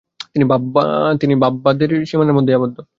তিনি ভাববাদের সীমানার মধ্যেই আবদ্ধ।